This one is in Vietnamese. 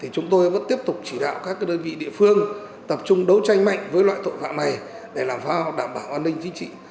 chúng tôi vẫn tiếp tục chỉ đạo các đơn vị địa phương tập trung đấu tranh mạnh với loại tội phạm này để làm sao đảm bảo an ninh chính trị